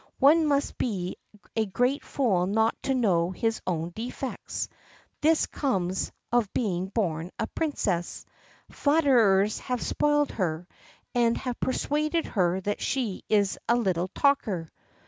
One must be a great fool not to know his own defects: this comes of being born a Princess; flatterers have spoiled her, and have persuaded her that she is a little talker."